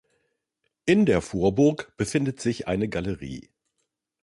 In der Vorburg befindet sich eine Galerie.